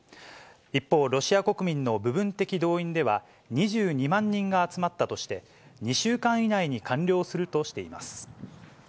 一方、ロシア国民の部分的動員では、２２万人が集まったとして、２週間以内に完了するとしています。